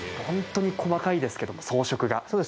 本当に細かいですけども装飾が。